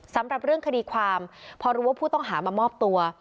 สำหรับเรื่องคดีความพอรู้ว่าผู้ต้องหามามอบตัว